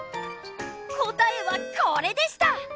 答えはこれでした！